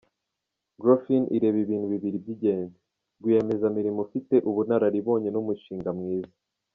Grofin ireba ibintu bibiri by’ingenzi: rwiyemezamirimo ufite ubunararibonye n’umushinga mwiza.